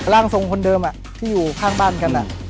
ร่างทรงคนเดิมที่อยู่ข้างบ้านกัน